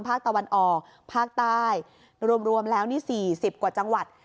ภาคตะวันออกภาคใต้รวมแล้วนี่๔๐กว่าจังหวัด